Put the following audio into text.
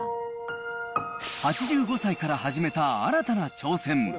８５歳から始めた新たな挑戦。